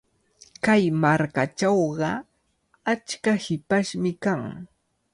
Kay markachawqa achka hipashmi kan.